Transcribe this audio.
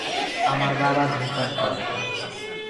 আমার বাবা ধূমপান করে।